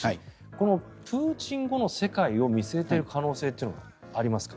このプーチン後の世界を見据えている可能性はありますか。